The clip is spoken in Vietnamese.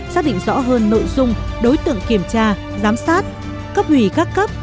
xác định rõ hơn nội dung đối tượng kiểm tra giám sát cấp ủy các cấp